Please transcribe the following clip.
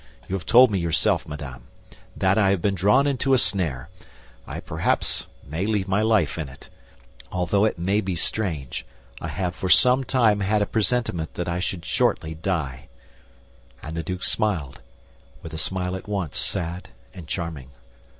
You have told me yourself, madame, that I have been drawn into a snare; I, perhaps, may leave my life in it—for, although it may be strange, I have for some time had a presentiment that I should shortly die." And the duke smiled, with a smile at once sad and charming.